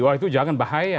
wah itu jangan bahaya